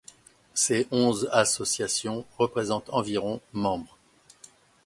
Ces onze associations représentent environ membres.